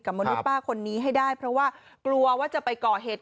มนุษย์ป้าคนนี้ให้ได้เพราะว่ากลัวว่าจะไปก่อเหตุ